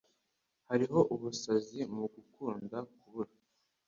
Hariho ubusazi mu kugukunda, kubura